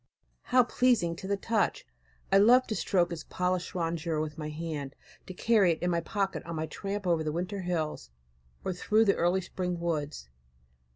How pleasing to the touch! I love to stroke its polished rondure with my hand, to carry it in my pocket on my tramp over the winter hills, or through the early spring woods.